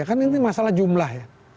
kan ini masalah jumlah